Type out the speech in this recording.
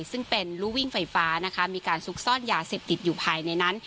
ซึ่งเป็นรูวิ่งไฟฟ้านะคะมีการซุกซ่อนยาเสพติดอยู่ภายในนั้น